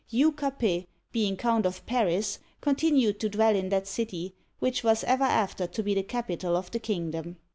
Hugh Capet, being Count of Paris, continued to dwell in that city, which was ever after to be the capital of the kingdom.